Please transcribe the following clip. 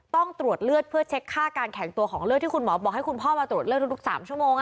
ต้องตรวจเลือดเพื่อเช็คค่าการแข็งตัวของเลือดที่คุณหมอบอกให้คุณพ่อมาตรวจเลือดทุก๓ชั่วโมง